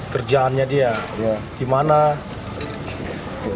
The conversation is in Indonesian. kerjaannya dia di mana